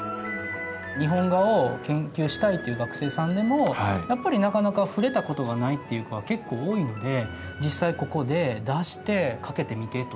日本画を研究したいという学生さんでもやっぱりなかなか触れたことがないっていう子は結構多いので実際ここで出して掛けてみてとか。